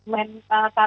masjid dari perbudakan